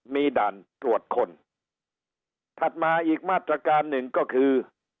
มีด่านตรวจคนถัดมาอีกมาตรการหนึ่งก็คือ